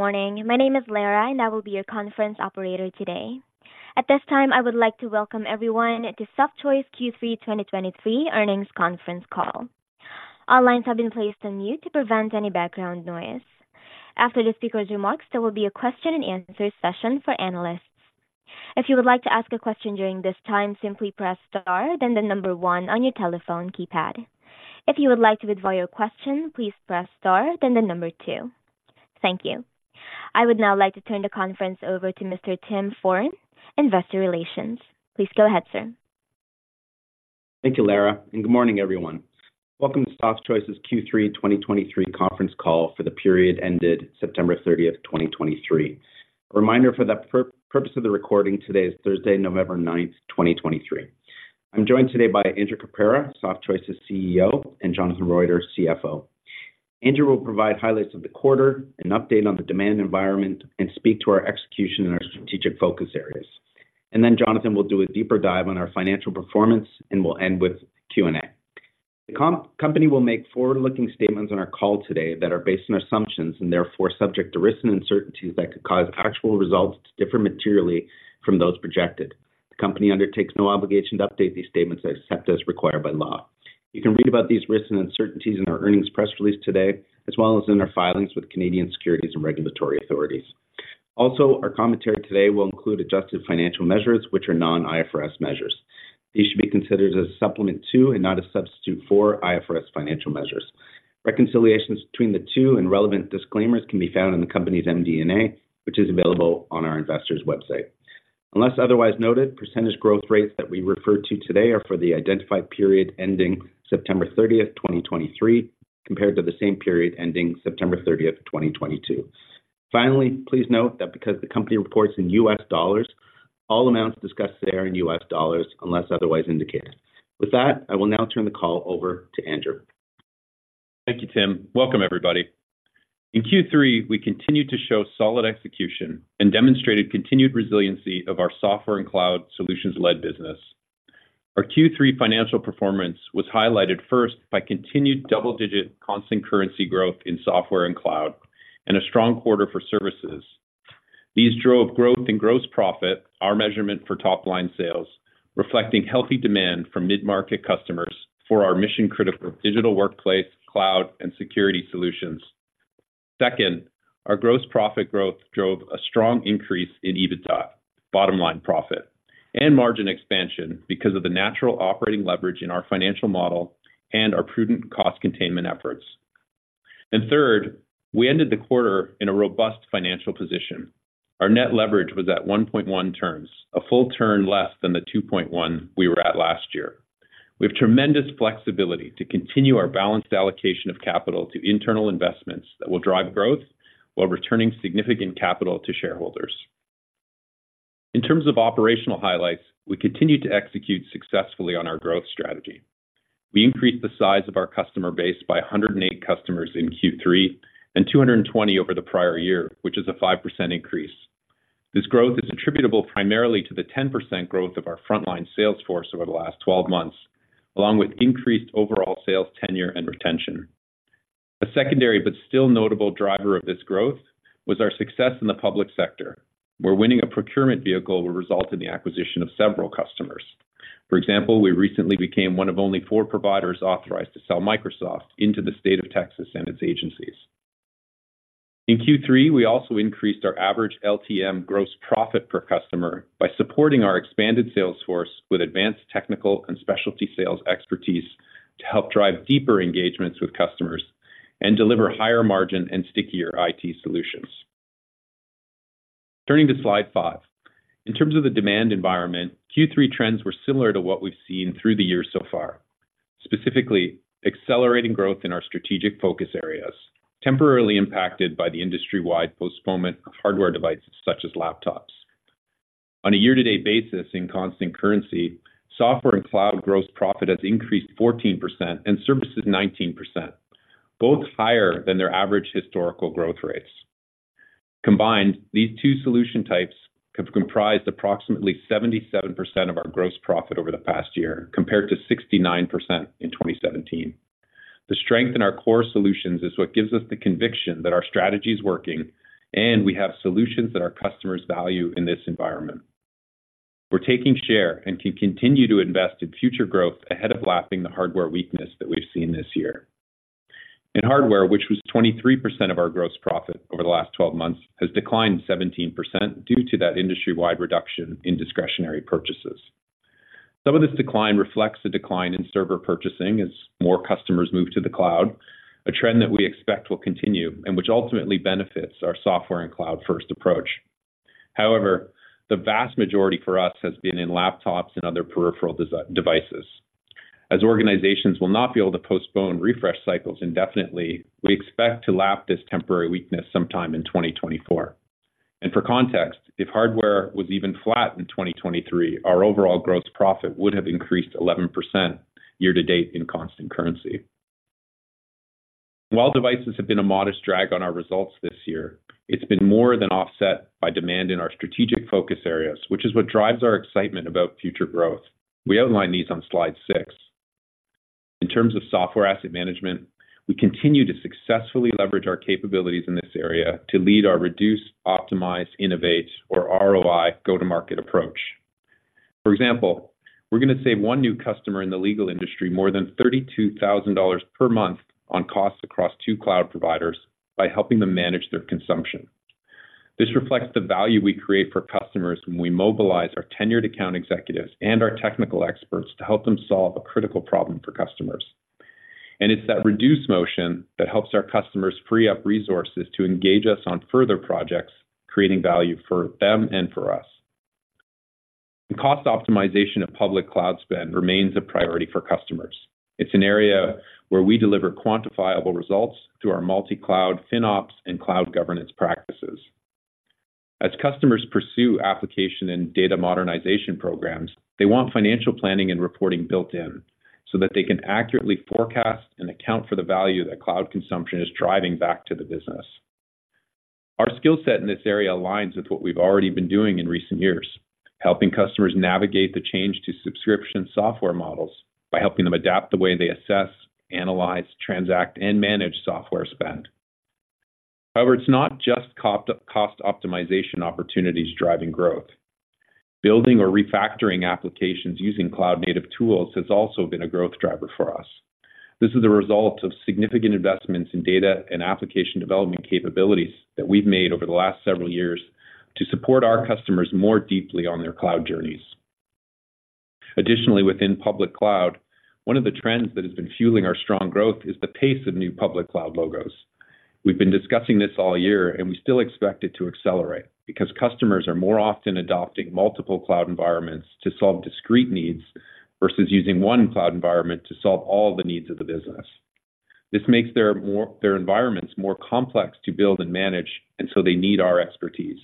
Good morning. My name is Lara, and I will be your conference operator today. At this time, I would like to welcome everyone to Softchoice Q3 2023 earnings conference call. All lines have been placed on mute to prevent any background noise. After the speaker's remarks, there will be a question and answer session for analysts. If you would like to ask a question during this time, simply press star, then the number one on your telephone keypad. If you would like to withdraw your question, please press star, then the number two. Thank you. I would now like to turn the conference over to Mr. Tim Foran, Investor Relations. Please go ahead, sir. Thank you, Lara, and good morning, everyone. Welcome to Softchoice's Q3 2023 conference call for the period ended September 30, 2023. A reminder for the purpose of the recording, today is Thursday, November 9, 2023. I'm joined today by Andrew Caprara, Softchoice's CEO, and Jonathan Roiter, CFO. Andrew will provide highlights of the quarter, an update on the demand environment, and speak to our execution and our strategic focus areas. And then Jonathan will do a deeper dive on our financial performance, and we'll end with Q&A. The company will make forward-looking statements on our call today that are based on assumptions and therefore subject to risks and uncertainties that could cause actual results to differ materially from those projected. The company undertakes no obligation to update these statements except as required by law. You can read about these risks and uncertainties in our earnings press release today, as well as in our filings with Canadian securities and regulatory authorities. Also, our commentary today will include adjusted financial measures, which are non-IFRS measures. These should be considered as a supplement to and not a substitute for IFRS financial measures. Reconciliations between the two and relevant disclaimers can be found in the company's MD&A, which is available on our investors' website. Unless otherwise noted, percentage growth rates that we refer to today are for the identified period ending September 30th, 2023, compared to the same period ending September 30th, 2022. Finally, please note that because the company reports in U.S. dollars, all amounts discussed today are in U.S. dollars, unless otherwise indicated. With that, I will now turn the call over to Andrew. Thank you, Tim. Welcome, everybody. In Q3, we continued to show solid execution and demonstrated continued resiliency of our software and cloud solutions-led business. Our Q3 financial performance was highlighted first by continued double-digit constant currency growth in software and cloud, and a strong quarter for services. These drove growth and gross profit, our measurement for top-line sales, reflecting healthy demand from mid-market customers for our mission-critical digital workplace, cloud, and security solutions. Second, our gross profit growth drove a strong increase in EBITDA, bottom line profit, and margin expansion because of the natural operating leverage in our financial model and our prudent cost containment efforts. Third, we ended the quarter in a robust financial position. Our net leverage was at 1.1 turns, a full turn less than the 2.1 we were at last year. We have tremendous flexibility to continue our balanced allocation of capital to internal investments that will drive growth while returning significant capital to shareholders. In terms of operational highlights, we continued to execute successfully on our growth strategy. We increased the size of our customer base by 108 customers in Q3 and 220 over the prior year, which is a 5% increase. This growth is attributable primarily to the 10% growth of our frontline sales force over the last 12 months, along with increased overall sales tenure and retention. A secondary but still notable driver of this growth was our success in the public sector, where winning a procurement vehicle will result in the acquisition of several customers. For example, we recently became one of only four providers authorized to sell Microsoft into the state of Texas and its agencies. In Q3, we also increased our average LTM gross profit per customer by supporting our expanded sales force with advanced technical and specialty sales expertise to help drive deeper engagements with customers and deliver higher margin and stickier IT solutions. Turning to slide 5. In terms of the demand environment, Q3 trends were similar to what we've seen through the year so far. Specifically, accelerating growth in our strategic focus areas, temporarily impacted by the industry-wide postponement of hardware devices such as laptops. On a year-to-date basis in constant currency, software and cloud gross profit has increased 14% and services 19%, both higher than their average historical growth rates. Combined, these two solution types have comprised approximately 77% of our gross profit over the past year, compared to 69% in 2017. The strength in our core solutions is what gives us the conviction that our strategy is working, and we have solutions that our customers value in this environment. We're taking share and can continue to invest in future growth ahead of lapping the hardware weakness that we've seen this year. In hardware, which was 23% of our gross profit over the last 12 months, has declined 17% due to that industry-wide reduction in discretionary purchases. Some of this decline reflects the decline in server purchasing as more customers move to the cloud, a trend that we expect will continue and which ultimately benefits our software and cloud-first approach. However, the vast majority for us has been in laptops and other peripheral devices. As organizations will not be able to postpone refresh cycles indefinitely, we expect to lap this temporary weakness sometime in 2024. And for context, if hardware was even flat in 2023, our overall gross profit would have increased 11% year to date in constant currency. While devices have been a modest drag on our results this year, it's been more than offset by demand in our strategic focus areas, which is what drives our excitement about future growth. We outlined these on slide 6. In terms of software asset management, we continue to successfully leverage our capabilities in this area to lead our Reduce, Optimize, Innovate, or ROI, go-to-market approach. For example, we're gonna save one new customer in the legal industry more than $32,000 per month on costs across two cloud providers by helping them manage their consumption. This reflects the value we create for customers when we mobilize our tenured account executives and our technical experts to help them solve a critical problem for customers. It's that reduced motion that helps our customers free up resources to engage us on further projects, creating value for them and for us. The cost optimization of public cloud spend remains a priority for customers. It's an area where we deliver quantifiable results through our multi-cloud FinOps and cloud governance practices. As customers pursue application and data modernization programs, they want financial planning and reporting built in, so that they can accurately forecast and account for the value that cloud consumption is driving back to the business. Our skill set in this area aligns with what we've already been doing in recent years, helping customers navigate the change to subscription software models by helping them adapt the way they assess, analyze, transact, and manage software spend. However, it's not just cost optimization opportunities driving growth. Building or refactoring applications using cloud native tools has also been a growth driver for us. This is the result of significant investments in data and application development capabilities that we've made over the last several years to support our customers more deeply on their cloud journeys. Additionally, within public cloud, one of the trends that has been fueling our strong growth is the pace of new public cloud logos. We've been discussing this all year, and we still expect it to accelerate because customers are more often adopting multiple cloud environments to solve discrete needs, versus using one cloud environment to solve all the needs of the business. This makes their environments more complex to build and manage, and so they need our expertise.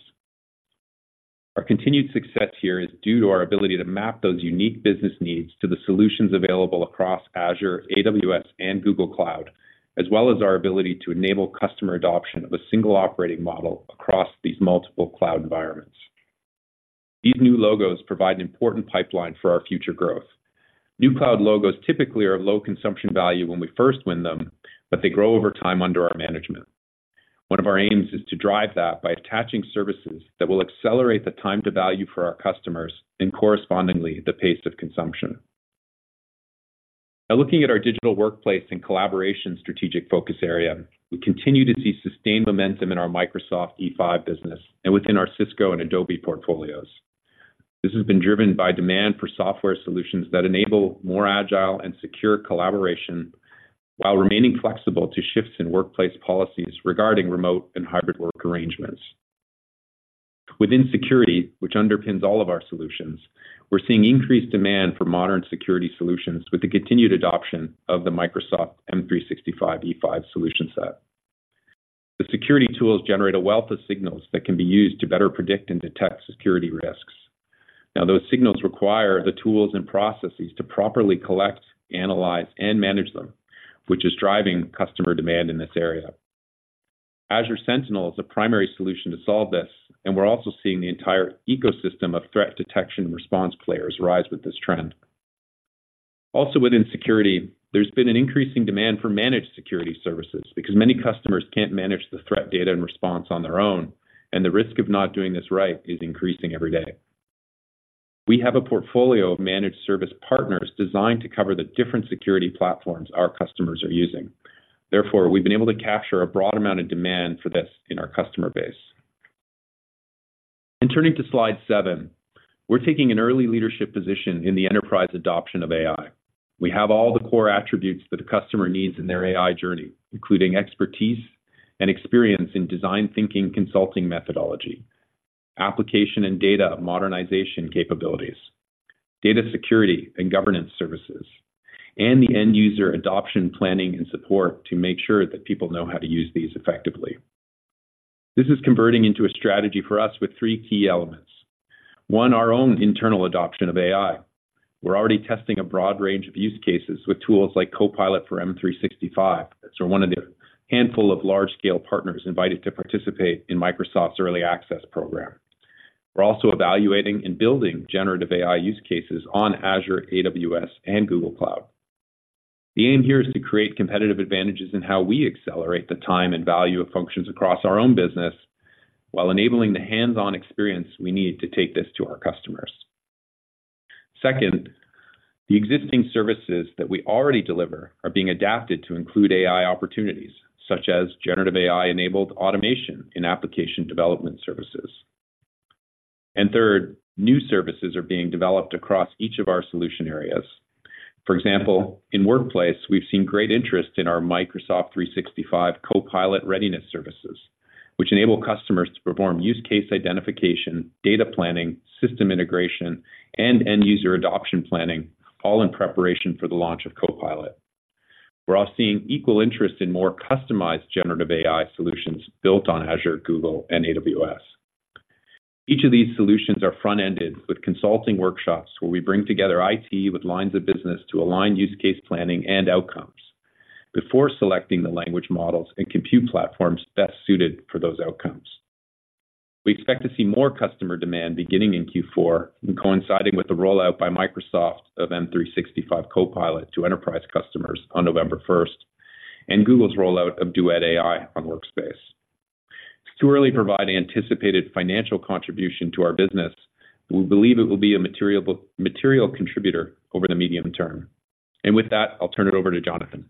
Our continued success here is due to our ability to map those unique business needs to the solutions available across Azure, AWS, and Google Cloud, as well as our ability to enable customer adoption of a single operating model across these multiple cloud environments. These new logos provide an important pipeline for our future growth. New cloud logos typically are of low consumption value when we first win them, but they grow over time under our management. One of our aims is to drive that by attaching services that will accelerate the time to value for our customers and correspondingly, the pace of consumption. Now looking at our digital workplace and collaboration strategic focus area, we continue to see sustained momentum in our Microsoft E5 business and within our Cisco and Adobe portfolios. This has been driven by demand for software solutions that enable more agile and secure collaboration while remaining flexible to shifts in workplace policies regarding remote and hybrid work arrangements. Within security, which underpins all of our solutions, we're seeing increased demand for modern security solutions with the continued adoption of the Microsoft M365 E5 solution set. The security tools generate a wealth of signals that can be used to better predict and detect security risks. Now, those signals require the tools and processes to properly collect, analyze, and manage them, which is driving customer demand in this area. Azure Sentinel is a primary solution to solve this, and we're also seeing the entire ecosystem of threat detection response players rise with this trend. Also within security, there's been an increasing demand for managed security services because many customers can't manage the threat data and response on their own, and the risk of not doing this right is increasing every day. We have a portfolio of managed service partners designed to cover the different security platforms our customers are using. Therefore, we've been able to capture a broad amount of demand for this in our customer base. Turning to slide seven, we're taking an early leadership position in the enterprise adoption of AI. We have all the core attributes that a customer needs in their AI journey, including expertise and experience in design thinking, consulting methodology, application and data modernization capabilities, data security and governance services, and the end user adoption, planning, and support to make sure that people know how to use these effectively. This is converting into a strategy for us with three key elements. One, our own internal adoption of AI. We're already testing a broad range of use cases with tools like Copilot for M365. So we're one of the handful of large-scale partners invited to participate in Microsoft's Early Access program. We're also evaluating and building generative AI use cases on Azure, AWS, and Google Cloud. The aim here is to create competitive advantages in how we accelerate the time and value of functions across our own business, while enabling the hands-on experience we need to take this to our customers. Second, the existing services that we already deliver are being adapted to include AI opportunities, such as generative AI-enabled automation in application development services. And third, new services are being developed across each of our solution areas. For example, in Workplace, we've seen great interest in our Microsoft 365 Copilot Readiness services, which enable customers to perform use case identification, data planning, system integration, and end user adoption planning, all in preparation for the launch of Copilot. We're also seeing equal interest in more customized generative AI solutions built on Azure, Google, and AWS. Each of these solutions are front-ended with consulting workshops, where we bring together IT with lines of business to align use case planning and outcomes before selecting the language models and compute platforms best suited for those outcomes. We expect to see more customer demand beginning in Q4, coinciding with the rollout by Microsoft of M365 Copilot to enterprise customers on November 1st, and Google's rollout of Duet AI on Workspace. It's too early to provide anticipated financial contribution to our business, but we believe it will be a material, material contributor over the medium term. With that, I'll turn it over to Jonathan.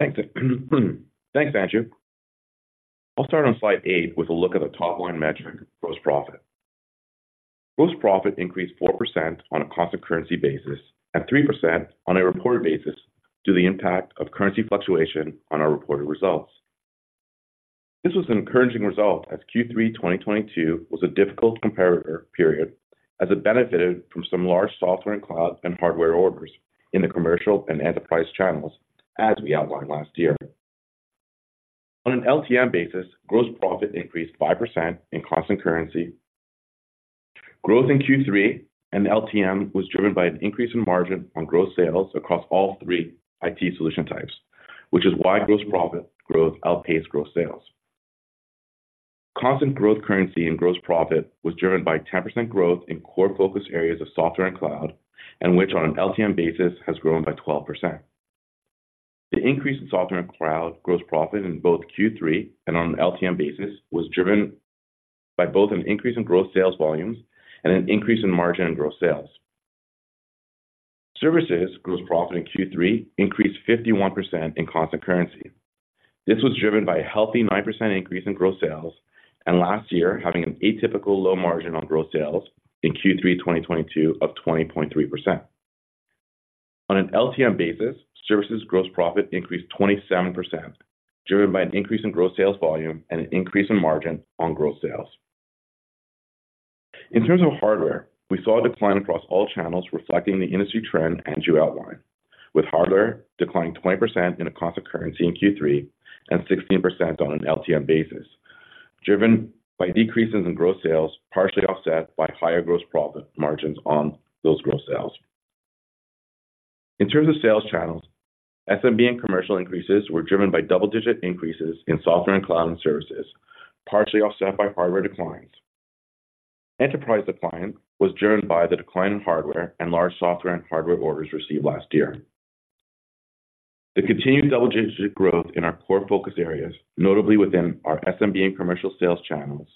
Thanks, thanks, Andrew. I'll start on slide 8 with a look at the top-line metric, gross profit. Gross profit increased 4% on a constant currency basis and 3% on a reported basis, due to the impact of currency fluctuation on our reported results. This was an encouraging result as Q3 2022 was a difficult comparator period, as it benefited from some large software and cloud and hardware orders in the commercial and enterprise channels, as we outlined last year. On an LTM basis, gross profit increased 5% in constant currency. Growth in Q3 and LTM was driven by an increase in margin on gross sales across all 3 IT solution types, which is why gross profit growth outpaced gross sales. Constant currency growth and gross profit was driven by 10% growth in core focus areas of software and cloud, and which on an LTM basis, has grown by 12%. The increase in software and cloud gross profit in both Q3 and on an LTM basis, was driven by both an increase in gross sales volumes and an increase in margin and gross sales. Services gross profit in Q3 increased 51% in constant currency. This was driven by a healthy 9% increase in gross sales, and last year having an atypical low margin on gross sales in Q3 2022 of 20.3%. On an LTM basis, services gross profit increased 27%, driven by an increase in gross sales volume and an increase in margin on gross sales. In terms of hardware, we saw a decline across all channels, reflecting the industry trend Andrew outlined, with hardware declining 20% in a constant currency in Q3 and 16% on an LTM basis, driven by decreases in gross sales, partially offset by higher gross profit margins on those gross sales. In terms of sales channels, SMB and commercial increases were driven by double-digit increases in software and cloud and services, partially offset by hardware declines. Enterprise decline was driven by the decline in hardware and large software and hardware orders received last year. The continued double-digit growth in our core focus areas, notably within our SMB and commercial sales channels,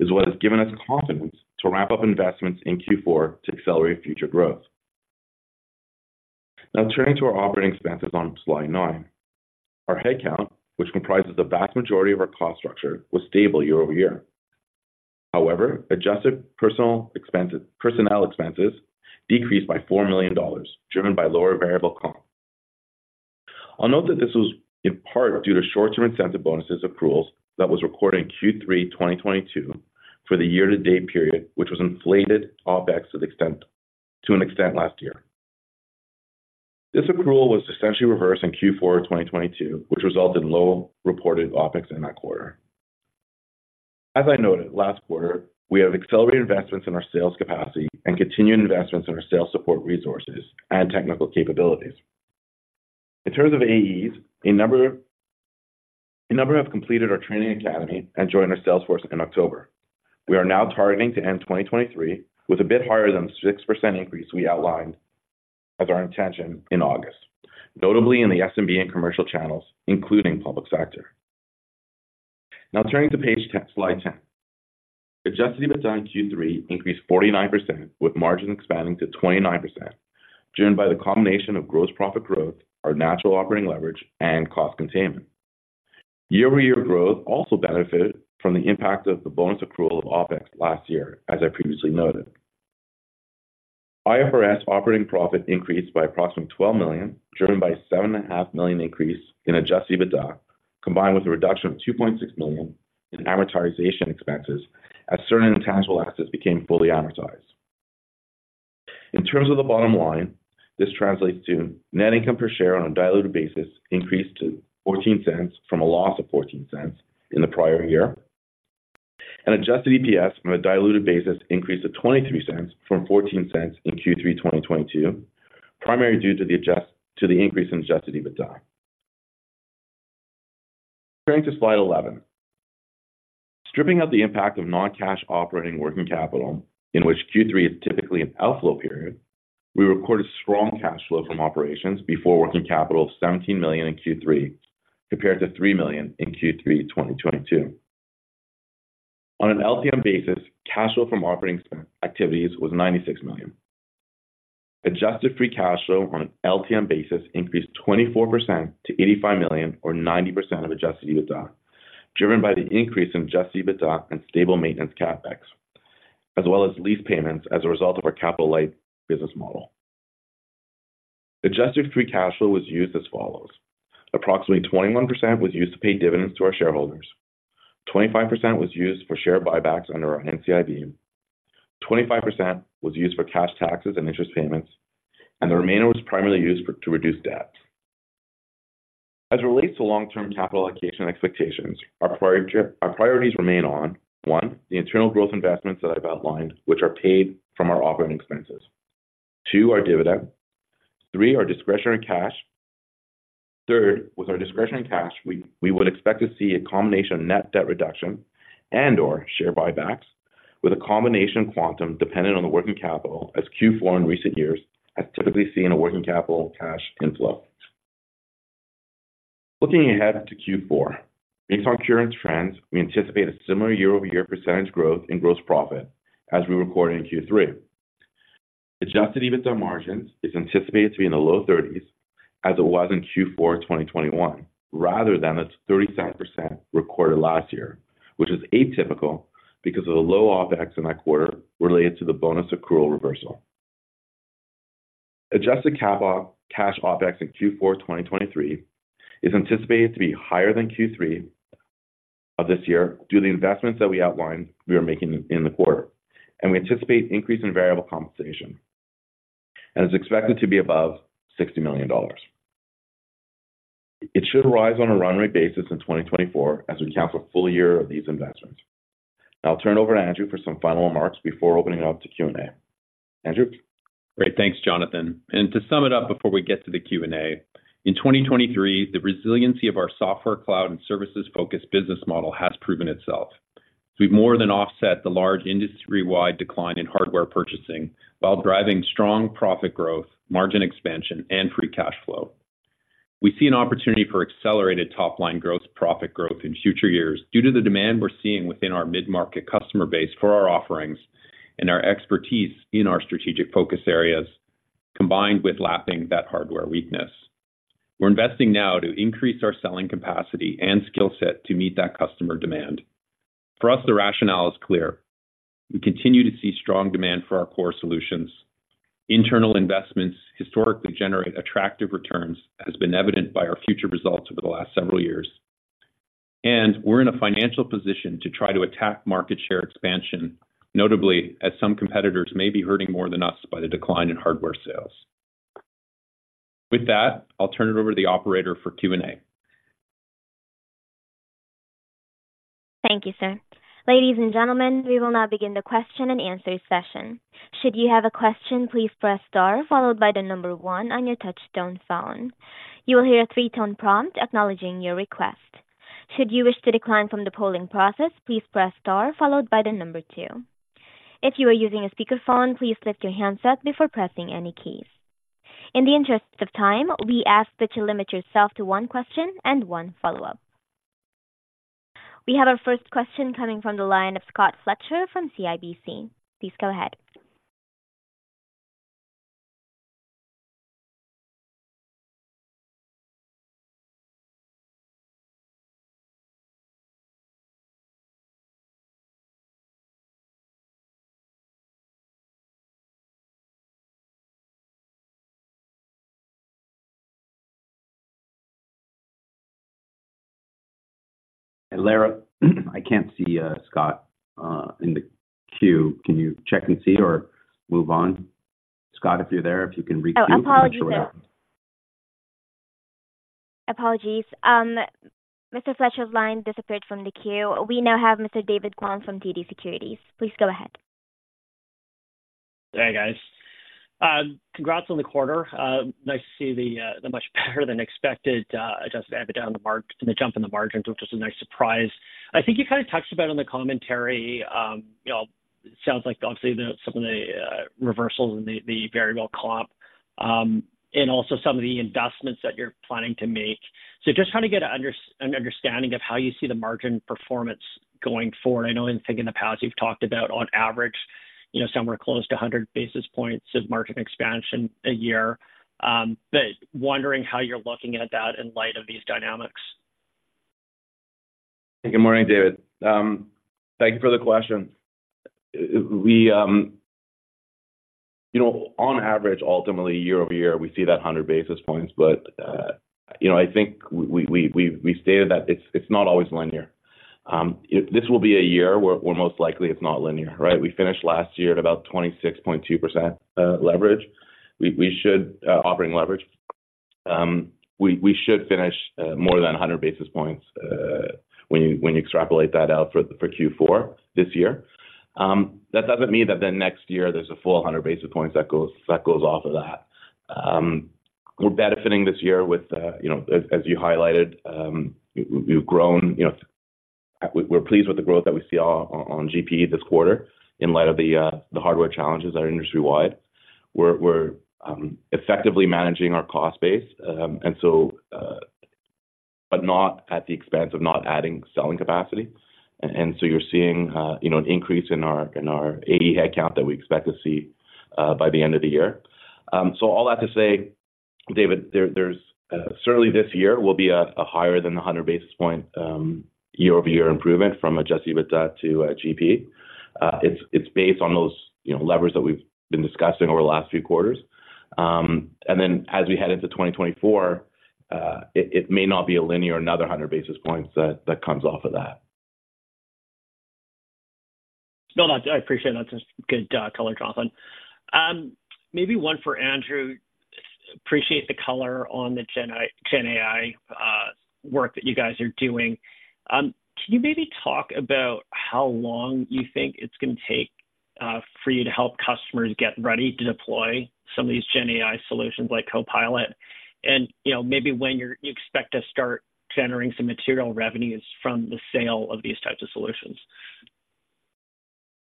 is what has given us confidence to ramp up investments in Q4 to accelerate future growth. Now turning to our operating expenses on slide 9. Our headcount, which comprises the vast majority of our cost structure, was stable year-over-year. However, adjusted personnel expenses, personnel expenses decreased by $4 million, driven by lower variable costs. I'll note that this was in part due to short-term incentive bonuses accruals that was recorded in Q3 2022 for the year-to-date period, which was inflated OpEx to an extent last year. This accrual was essentially reversed in Q4 2022, which resulted in low reported OpEx in that quarter. As I noted last quarter, we have accelerated investments in our sales capacity and continued investments in our sales support resources and technical capabilities. In terms of AEs, a number have completed our training academy and joined our sales force in October. We are now targeting to end 2023 with a bit higher than the 6% increase we outlined as our intention in August, notably in the SMB and commercial channels, including public sector. Now turning to page 10, slide 10. Adjusted EBITDA in Q3 increased 49%, with margin expanding to 29%, driven by the combination of gross profit growth, our natural operating leverage, and cost containment. Year-over-year growth also benefited from the impact of the bonus accrual of OpEx last year, as I previously noted. IFRS operating profit increased by approximately $12 million, driven by a $7.5 million increase in adjusted EBITDA, combined with a reduction of $2.6 million in amortization expenses, as certain intangible assets became fully amortized. In terms of the bottom line, this translates to net income per share on a diluted basis increased to $0.14 from a loss of $0.14 in the prior year, and adjusted EPS from a diluted basis increase to $0.23 from $0.14 in Q3 2022, primarily due to the increase in adjusted EBITDA. Turning to slide 11. Stripping out the impact of non-cash operating working capital, in which Q3 is typically an outflow period, we recorded strong cash flow from operations before working capital of $17 million in Q3, compared to $3 million in Q3 2022. On an LTM basis, cash flow from operating activities was $96 million. Adjusted free cash flow on an LTM basis increased 24% to $85 million, or 90% of adjusted EBITDA, driven by the increase in adjusted EBITDA and stable maintenance CapEx, as well as lease payments as a result of our capital-light business model. Adjusted free cash flow was used as follows: approximately 21% was used to pay dividends to our shareholders, 25% was used for share buybacks under our NCIB, 25% was used for cash taxes and interest payments, and the remainder was primarily used to reduce debt. As it relates to long-term capital allocation expectations, our priorities remain on, one, the internal growth investments that I've outlined, which are paid from our operating expenses. Two, our dividend. Three, our discretionary cash-... Third, with our discretionary cash, we would expect to see a combination of net debt reduction and/or share buybacks, with a combination quantum dependent on the working capital, as Q4 in recent years has typically seen a working capital cash inflow. Looking ahead to Q4, based on current trends, we anticipate a similar year-over-year percentage growth in gross profit as we recorded in Q3. Adjusted EBITDA margins is anticipated to be in the low 30s, as it was in Q4 2021, rather than the 37% recorded last year, which is atypical because of the low OpEx in that quarter related to the bonus accrual reversal. Adjusted CapEx, cash OpEx in Q4 2023 is anticipated to be higher than Q3 of this year due to the investments that we outlined we are making in the quarter, and we anticipate increase in variable compensation, and is expected to be above $60 million. It should rise on a run rate basis in 2024 as we count for a full year of these investments. Now I'll turn it over to Andrew for some final remarks before opening it up to Q&A. Andrew? Great. Thanks, Jonathan. And to sum it up, before we get to the Q&A, in 2023, the resiliency of our software, cloud, and services-focused business model has proven itself. So we've more than offset the large industry-wide decline in hardware purchasing while driving strong profit growth, margin expansion, and free cash flow. We see an opportunity for accelerated top-line growth, profit growth in future years due to the demand we're seeing within our mid-market customer base for our offerings and our expertise in our strategic focus areas, combined with lapping that hardware weakness. We're investing now to increase our selling capacity and skill set to meet that customer demand. For us, the rationale is clear: We continue to see strong demand for our core solutions. Internal investments historically generate attractive returns, as has been evident by our past results over the last several years, and we're in a financial position to try to attack market share expansion, notably as some competitors may be hurting more than us by the decline in hardware sales. With that, I'll turn it over to the operator for Q&A. Thank you, sir. Ladies and gentlemen, we will now begin the question and answer session. Should you have a question, please press star followed by the number one on your touchtone phone. You will hear a three-tone prompt acknowledging your request. Should you wish to decline from the polling process, please press star followed by the number two. If you are using a speakerphone, please lift your handset before pressing any keys. In the interest of time, we ask that you limit yourself to one question and one follow-up. We have our first question coming from the line of Scott Fletcher from CIBC. Please go ahead. Lara, I can't see Scott in the queue. Can you check and see or move on, Scott, if you're there, if you can re-queue? Oh, apologies, sir. Apologies. Mr. Fletcher's line disappeared from the queue. We now have Mr. David Kwan from TD Securities. Please go ahead. Hey, guys. Congrats on the quarter. Nice to see the much better than expected adjusted EBITDA on the margins and the jump in the margins, which is a nice surprise. I think you kind of touched about in the commentary. You know, sounds like obviously some of the reversals in the variable comp and also some of the investments that you're planning to make. So just trying to get an understanding of how you see the margin performance going forward. I know I think in the past you've talked about, on average, you know, somewhere close to 100 basis points of margin expansion a year. But wondering how you're looking at that in light of these dynamics. Good morning, David. Thank you for the question. We, you know, on average, ultimately year-over-year, we see that 100 basis points. But, you know, I think we stated that it's not always linear. This will be a year where most likely it's not linear, right? We finished last year at about 26.2% leverage. We should operating leverage, we should finish more than 100 basis points when you extrapolate that out for Q4 this year. That doesn't mean that the next year there's a full 100 basis points that goes off of that. We're benefiting this year with, you know, as you highlighted, we've grown, you know... We're pleased with the growth that we see on GP this quarter in light of the hardware challenges that are industry-wide. We're effectively managing our cost base, and so, but not at the expense of not adding selling capacity. And so you're seeing, you know, an increase in our AE headcount that we expect to see by the end of the year. So all that to say, David, there's certainly this year will be a higher than the 100 basis point year-over-year improvement from Adjusted EBITDA to GP. It's based on those, you know, levers that we've been discussing over the last few quarters. And then as we head into 2024, it may not be a linear, another 100 basis points that comes off of that. No, I appreciate that. Just good color, Jonathan. Maybe one for Andrew. Appreciate the color on the GenAI work that you guys are doing. Can you maybe talk about how long you think it's gonna take for you to help customers get ready to deploy some of these GenAI solutions like Copilot? And, you know, maybe when you expect to start generating some material revenues from the sale of these types of solutions.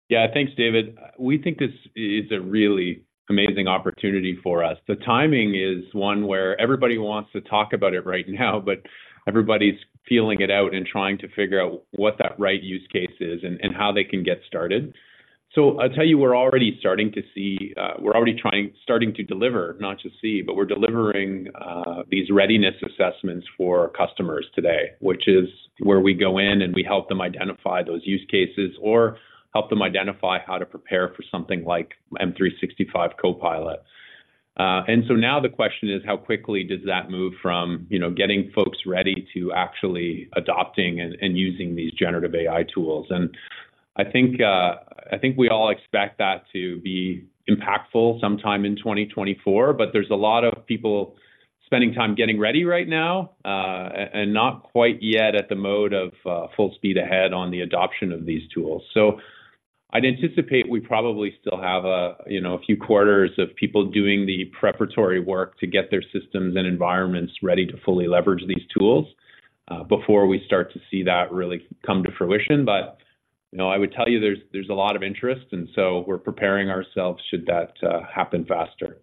Yeah. Thanks, David. We think this is a really amazing opportunity for us. The timing is one where everybody wants to talk about it right now, but everybody's feeling it out and trying to figure out what that right use case is and how they can get started. So I'll tell you, we're already starting to deliver, not just see, but we're delivering these readiness assessments for customers today, which is where we go in and we help them identify those use cases or help them identify how to prepare for something like M365 Copilot. And so now the question is: how quickly does that move from, you know, getting folks ready to actually adopting and using these generative AI tools? I think we all expect that to be impactful sometime in 2024, but there's a lot of people spending time getting ready right now, and not quite yet at the mode of full speed ahead on the adoption of these tools. So I'd anticipate we probably still have a, you know, a few quarters of people doing the preparatory work to get their systems and environments ready to fully leverage these tools before we start to see that really come to fruition. But, you know, I would tell you there's a lot of interest, and so we're preparing ourselves should that happen faster.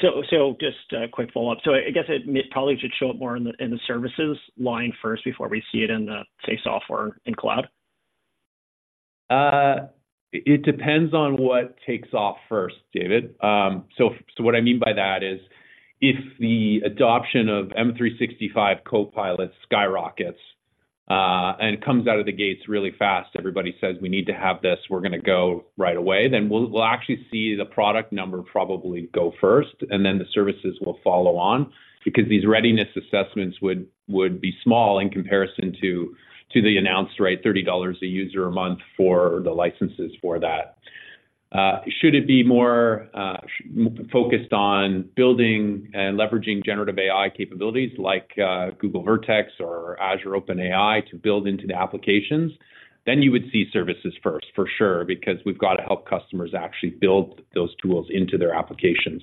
Just a quick follow-up. I guess it probably should show up more in the services line first before we see it in, say, software and cloud. It depends on what takes off first, David. So what I mean by that is, if the adoption of M365 Copilot skyrockets, and comes out of the gates really fast, everybody says, "We need to have this, we're gonna go right away," then we'll actually see the product number probably go first, and then the services will follow on. Because these readiness assessments would be small in comparison to the announced rate, $30 a user a month for the licenses for that. Should it be more focused on building and leveraging generative AI capabilities like Google Vertex or Azure OpenAI to build into the applications, then you would see services first, for sure, because we've got to help customers actually build those tools into their applications.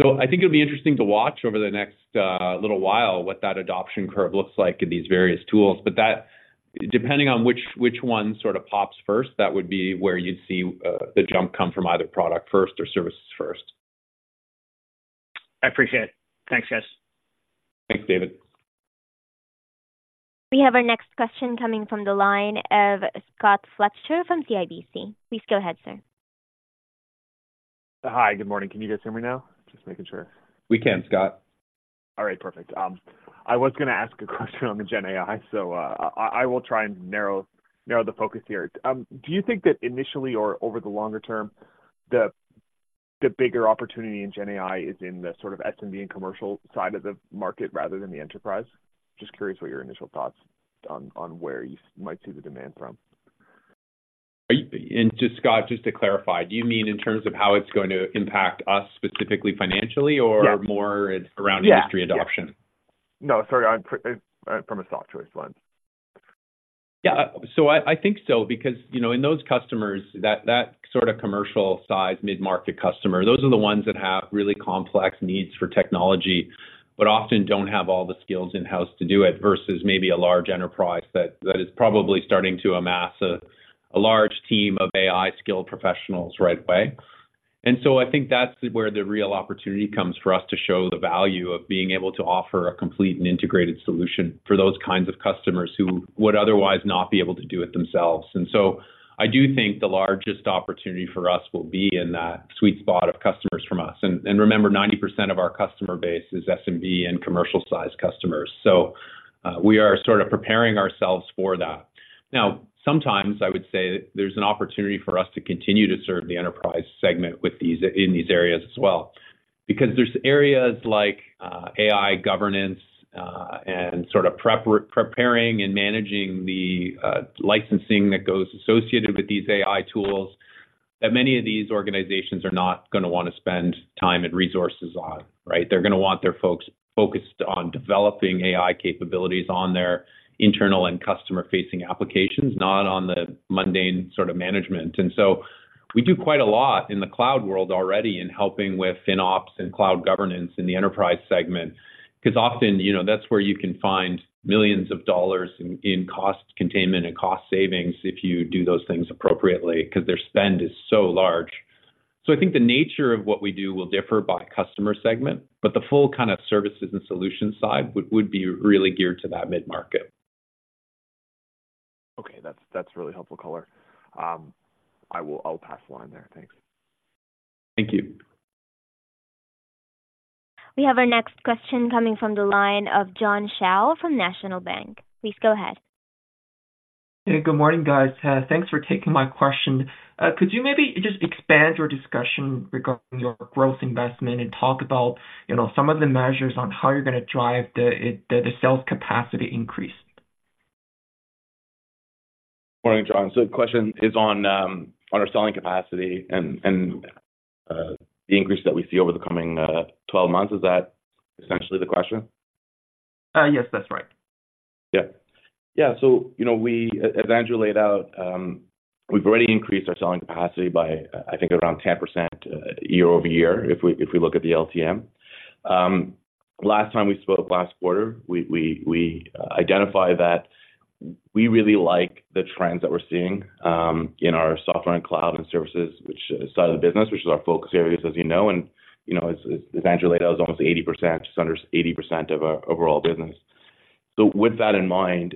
So I think it'll be interesting to watch over the next little while, what that adoption curve looks like in these various tools. But that depending on which, which one sort of pops first, that would be where you'd see the jump come from, either product first or services first. I appreciate it. Thanks, guys. Thanks, David. We have our next question coming from the line of Scott Fletcher from CIBC. Please go ahead, sir. Hi. Good morning. Can you guys hear me now? Just making sure. We can, Scott. All right, perfect. I was gonna ask a question on the GenAI, so, I will try and narrow the focus here. Do you think that initially or over the longer term, the bigger opportunity in GenAI is in the sort of SMB and commercial side of the market rather than the enterprise? Just curious what your initial thoughts on where you might see the demand from. Just, Scott, just to clarify, do you mean in terms of how it's going to impact us specifically, financially, or- Yeah... more around industry adoption? Yeah. Yeah. No, sorry, I'm from a Softchoice lens. Yeah. So I, I think so, because, you know, in those customers, that, that sort of commercial size, mid-market customer, those are the ones that have really complex needs for technology, but often don't have all the skills in-house to do it, versus maybe a large enterprise that, that is probably starting to amass a, a large team of AI-skilled professionals right away. And so I think that's where the real opportunity comes for us to show the value of being able to offer a complete and integrated solution for those kinds of customers who would otherwise not be able to do it themselves. And so I do think the largest opportunity for us will be in that sweet spot of customers from us. And, and remember, 90% of our customer base is SMB and commercial-sized customers. So, we are sort of preparing ourselves for that. Now, sometimes I would say there's an opportunity for us to continue to serve the enterprise segment with these in these areas as well. Because there's areas like AI governance, and sort of preparing and managing the licensing that goes associated with these AI tools, that many of these organizations are not gonna wanna spend time and resources on, right? They're gonna want their folks focused on developing AI capabilities on their internal and customer-facing applications, not on the mundane sort of management. And so we do quite a lot in the cloud world already in helping with FinOps and cloud governance in the enterprise segment, because often, you know, that's where you can find $ millions in cost containment and cost savings if you do those things appropriately, because their spend is so large. I think the nature of what we do will differ by customer segment, but the full kind of services and solutions side would be really geared to that mid-market. Okay. That's, that's really helpful color. I will- I'll pass the line there. Thanks. Thank you. We have our next question coming from the line of John Shao from National Bank. Please go ahead. Hey, good morning, guys. Thanks for taking my question. Could you maybe just expand your discussion regarding your growth investment and talk about, you know, some of the measures on how you're gonna drive the IT sales capacity increase? ... Morning, John. So the question is on our selling capacity and the increase that we see over the coming 12 months. Is that essentially the question? Yes, that's right. Yeah. Yeah, so, you know, we, as Andrew laid out, we've already increased our selling capacity by, I think, around 10%, year-over-year, if we look at the LTM. Last time we spoke last quarter, we identified that we really like the trends that we're seeing in our software and cloud and services, which side of the business, which is our focus areas, as you know, and, you know, as Andrew laid out, is almost 80%, just under 80% of our overall business. So with that in mind,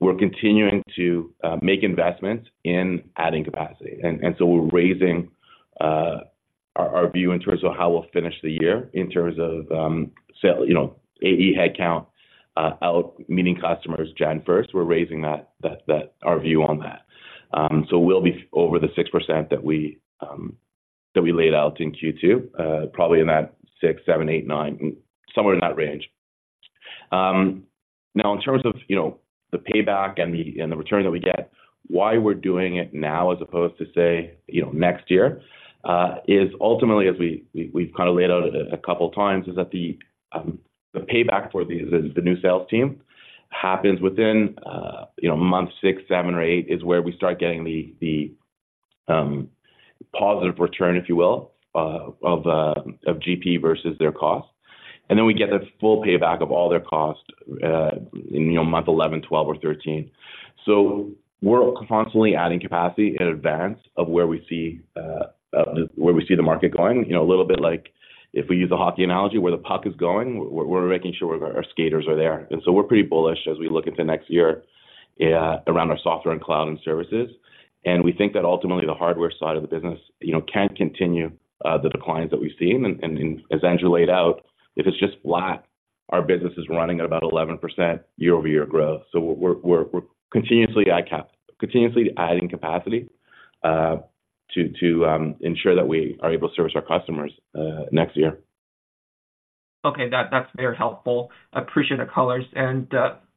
we're continuing to make investments in adding capacity. So we're raising our view in terms of how we'll finish the year in terms of sales, you know, AE headcount out-meeting customers January 1st. We're raising that, our view on that. So we'll be over the 6% that we laid out in Q2, probably in that 6%-9% range. Now, in terms of, you know, the payback and the return that we get, why we're doing it now, as opposed to, say, you know, next year, is ultimately, as we've kind of laid out a couple of times, is that the payback for the new sales team happens within, you know, month six, seven, or eight, is where we start getting the positive return, if you will, of GP versus their cost. And then we get the full payback of all their costs in, you know, month 11, 12, or 13. So we're constantly adding capacity in advance of where we see the market going. You know, a little bit like, if we use the hockey analogy, where the puck is going, we're making sure our skaters are there. And so we're pretty bullish as we look into next year around our software and cloud and services. And we think that ultimately the hardware side of the business, you know, can't continue the declines that we've seen. And as Andrew laid out, if it's just flat, our business is running at about 11% year-over-year growth. So we're continuously adding capacity to ensure that we are able to service our customers next year. Okay, that's very helpful. Appreciate the colors. And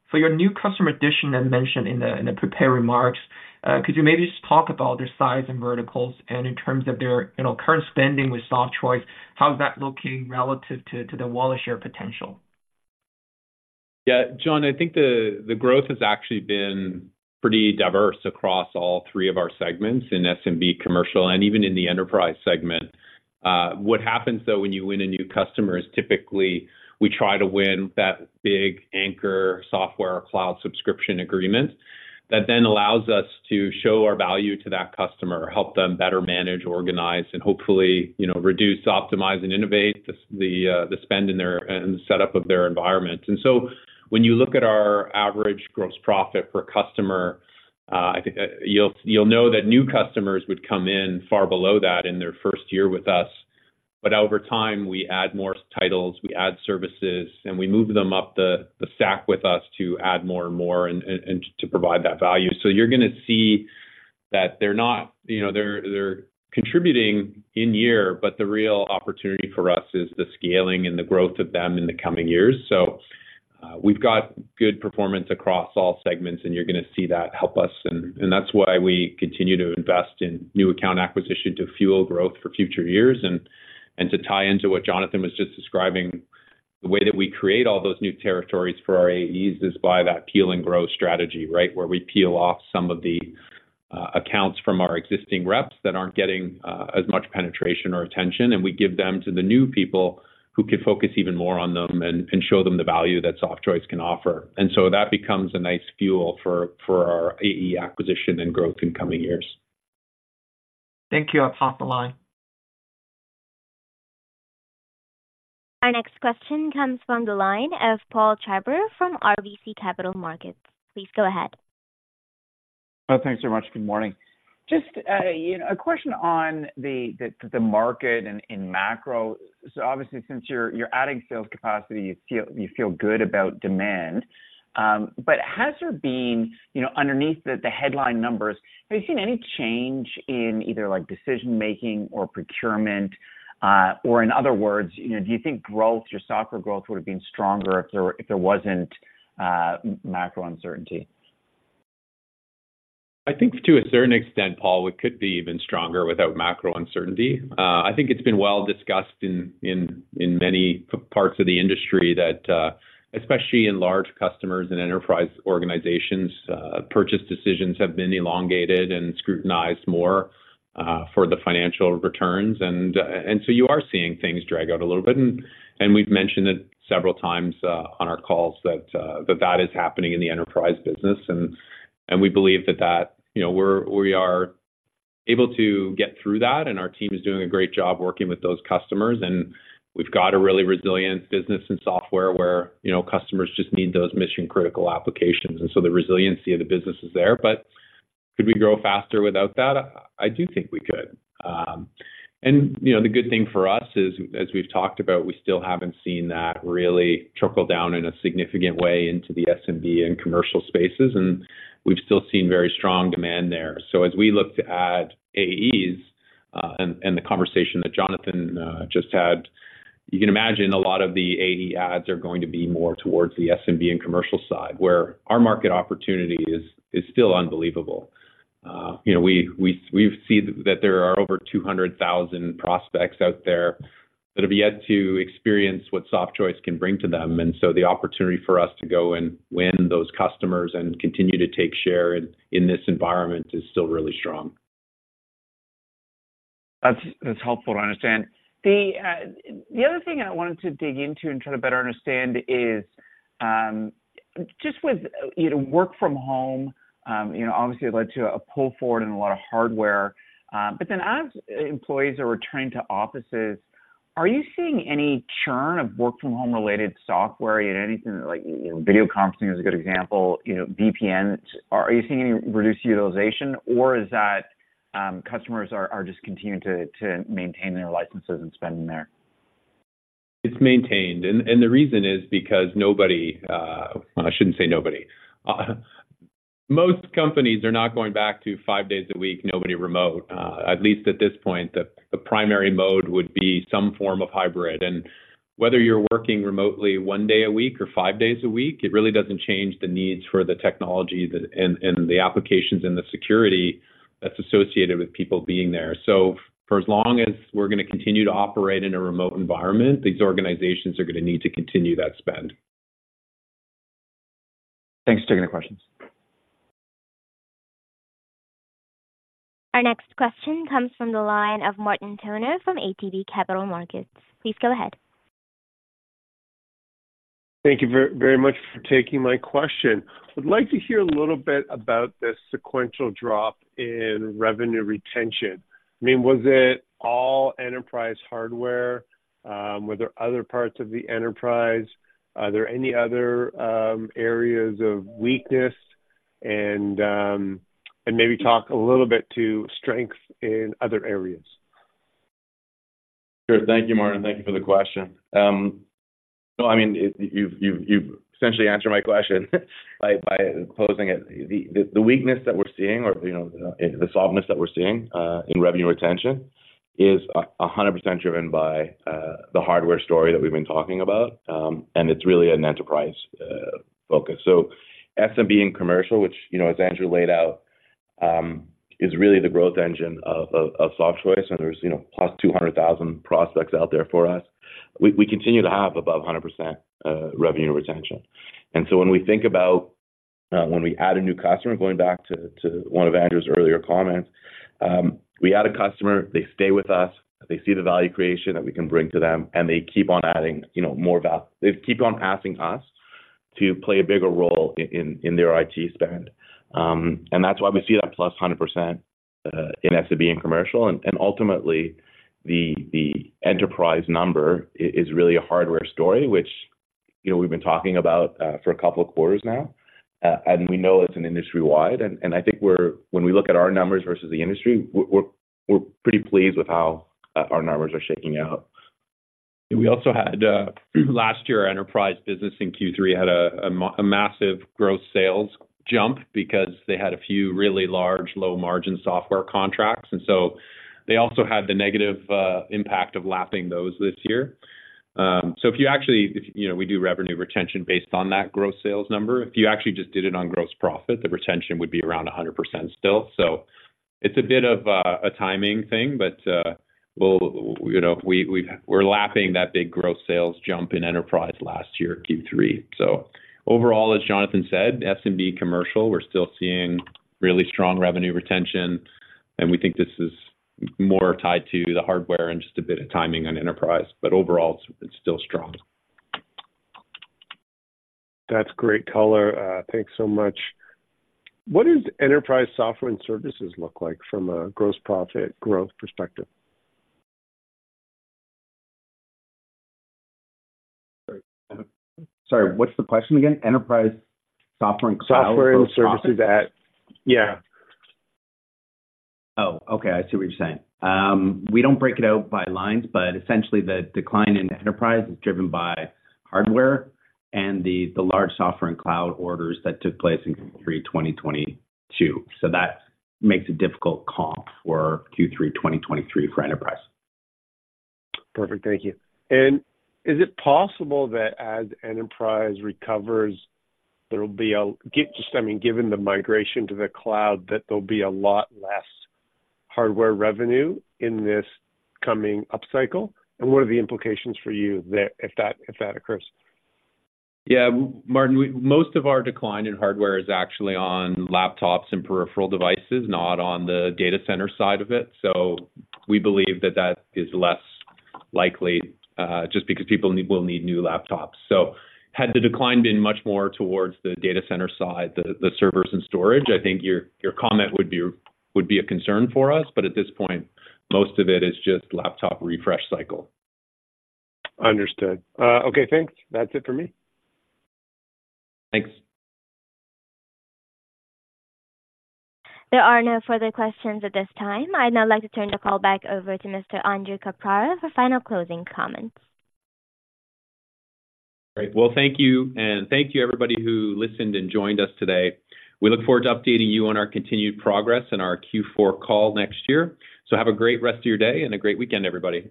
for your new customer addition that mentioned in the prepared remarks, could you maybe just talk about their size and verticals, and in terms of their, you know, current spending with Softchoice, how is that looking relative to the wallet share potential? Yeah, John, I think the growth has actually been pretty diverse across all three of our segments in SMB, commercial, and even in the enterprise segment. What happens, though, when you win a new customer is typically we try to win that big anchor software or cloud subscription agreement that then allows us to show our value to that customer, help them better manage, organize, and hopefully, you know, reduce, optimize, and innovate the spend in their, and the setup of their environment. And so when you look at our average gross profit per customer, I think you'll know that new customers would come in far below that in their first year with us. But over time, we add more titles, we add services, and we move them up the stack with us to add more and more and to provide that value. So you're gonna see that they're not... You know, they're contributing in year, but the real opportunity for us is the scaling and the growth of them in the coming years. So we've got good performance across all segments, and you're gonna see that help us. And that's why we continue to invest in new account acquisition to fuel growth for future years. And to tie into what Jonathan was just describing, the way that we create all those new territories for our AEs is by that peel and grow strategy, right? Where we peel off some of the accounts from our existing reps that aren't getting as much penetration or attention, and we give them to the new people who can focus even more on them and show them the value that Softchoice can offer. And so that becomes a nice fuel for our AE acquisition and growth in coming years. Thank you. I'll pass the line. Our next question comes from the line of Paul Treiber from RBC Capital Markets. Please go ahead. Thanks so much. Good morning. Just, you know, a question on the market and in macro. So obviously, since you're adding sales capacity, you feel good about demand. But has there been, you know, underneath the headline numbers, have you seen any change in either, like, decision making or procurement? Or in other words, you know, do you think growth, your software growth, would have been stronger if there wasn't macro uncertainty? I think to a certain extent, Paul, it could be even stronger without macro uncertainty. I think it's been well discussed in many parts of the industry that especially in large customers and enterprise organizations purchase decisions have been elongated and scrutinized more for the financial returns. And so you are seeing things drag out a little bit. And we've mentioned it several times on our calls that that is happening in the enterprise business. And we believe that, you know, we are able to get through that, and our team is doing a great job working with those customers. And we've got a really resilient business in software where, you know, customers just need those mission-critical applications, and so the resiliency of the business is there. But could we grow faster without that? I do think we could. And, you know, the good thing for us is, as we've talked about, we still haven't seen that really trickle down in a significant way into the SMB and commercial spaces, and we've still seen very strong demand there. So as we look to add AEs, and the conversation that Jonathan just had-... You can imagine a lot of the AE ads are going to be more towards the SMB and commercial side, where our market opportunity is still unbelievable. You know, we've seen that there are over 200,000 prospects out there that have yet to experience what Softchoice can bring to them. And so the opportunity for us to go and win those customers and continue to take share in this environment is still really strong. That's helpful to understand. The other thing I wanted to dig into and try to better understand is, just with, you know, work from home, you know, obviously it led to a pull forward in a lot of hardware. But then as employees are returning to offices, are you seeing any churn of work from home-related software? Anything like, you know, video conferencing is a good example, you know, VPNs. Are you seeing any reduced utilization, or is that customers are just continuing to maintain their licenses and spending there? It's maintained, and the reason is because nobody—I shouldn't say nobody. Most companies are not going back to five days a week, nobody remote. At least at this point, the primary mode would be some form of hybrid. And whether you're working remotely one day a week or five days a week, it really doesn't change the needs for the technology, and the applications and the security that's associated with people being there. So for as long as we're gonna continue to operate in a remote environment, these organizations are gonna need to continue that spend. Thanks for taking the questions. Our next question comes from the line of Martin Toner from ATB Capital Markets. Please go ahead. Thank you very much for taking my question. I'd like to hear a little bit about the sequential drop in revenue retention. I mean, was it all enterprise hardware? Were there other parts of the enterprise? Are there any other areas of weakness? And maybe talk a little bit to strengths in other areas. Sure. Thank you, Martin. Thank you for the question. So I mean, you've essentially answered my question by posing it. The weakness that we're seeing, or you know, the softness that we're seeing in revenue retention is 100% driven by the hardware story that we've been talking about, and it's really an enterprise focus. So SMB and commercial, which you know, as Andrew laid out, is really the growth engine of Softchoice. And there's you know, plus 200,000 prospects out there for us. We continue to have above 100% revenue retention. And so when we think about when we add a new customer, going back to one of Andrew's earlier comments, we add a customer, they stay with us, they see the value creation that we can bring to them, and they keep on adding, you know, more value. They keep on asking us to play a bigger role in their IT spend. And that's why we see that +100% in SMB and commercial. And ultimately, the enterprise number is really a hardware story, which, you know, we've been talking about for a couple of quarters now. And we know it's an industry-wide, and I think we're pretty pleased with how our numbers are shaking out. We also had last year, our enterprise business in Q3 had a massive gross sales jump because they had a few really large, low-margin software contracts, and so they also had the negative impact of lapping those this year. So if you actually... You know, we do revenue retention based on that gross sales number. If you actually just did it on gross profit, the retention would be around 100% still. So it's a bit of a timing thing, but we'll, you know, we're lapping that big gross sales jump in enterprise last year, Q3. So overall, as Jonathan said, SMB commercial, we're still seeing really strong revenue retention, and we think this is more tied to the hardware and just a bit of timing on enterprise. But overall, it's still strong. That's great color. Thanks so much. What does enterprise software and services look like from a gross profit growth perspective? Sorry, what's the question again? Enterprise software and cloud- Software and services at... Yeah. Oh, okay. I see what you're saying. We don't break it out by lines, but essentially the decline in enterprise is driven by hardware and the large software and cloud orders that took place in Q3 2022. That makes a difficult comp for Q3 2023 for enterprise. Perfect. Thank you. And is it possible that as enterprise recovers, there will be a, Just, I mean, given the migration to the cloud, that there'll be a lot less hardware revenue in this coming upcycle? And what are the implications for you there if that, if that occurs? Yeah, Martin, we, most of our decline in hardware is actually on laptops and peripheral devices, not on the data center side of it. So we believe that that is less likely, just because people need, will need new laptops. So had the decline been much more towards the data center side, the servers and storage, I think your comment would be a concern for us, but at this point, most of it is just laptop refresh cycle. Understood. Okay, thanks. That's it for me. Thanks. There are no further questions at this time. I'd now like to turn the call back over to Mr. Andrew Caprara for final closing comments. Great. Well, thank you, and thank you everybody who listened and joined us today. We look forward to updating you on our continued progress in our Q4 call next year. So have a great rest of your day and a great weekend, everybody.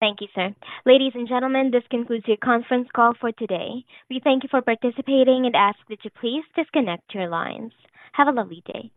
Thank you, sir. Ladies and gentlemen, this concludes your conference call for today. We thank you for participating and ask that you please disconnect your lines. Have a lovely day.